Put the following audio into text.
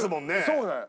そうだよ